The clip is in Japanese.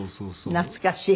懐かしい。